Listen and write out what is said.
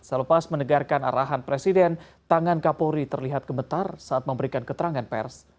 selepas menegarkan arahan presiden tangan kapolri terlihat gemetar saat memberikan keterangan pers